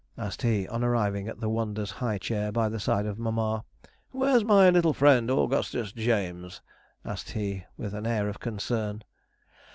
asked he, on arriving at the wonder's high chair by the side of mamma. 'Where's my little friend, Augustus James?' asked he, with an air of concern.